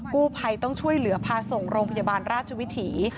กู้ภัยต้องช่วยเหลือพาส่งโรงพยาบาลราชวิถี